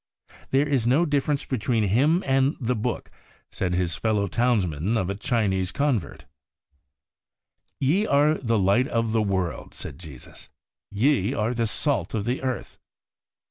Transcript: ' There is no difference between him and the Book,' said his fellow townsmen of a Chinese Convert. 50 THE WAY OF HOLINESS ' Ye are the light of the world,' said Jesus ;' ye are the salt of the earth.